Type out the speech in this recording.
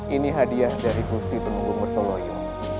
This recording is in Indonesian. ini hadiah dari gusti pemunggung bertoloyo